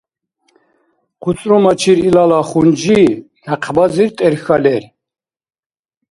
ХъуцӀрумачир илала хунжи, някъбазиб тӀерхьа лер.